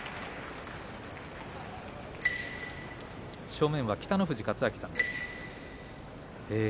正面は北の富士勝昭さんです。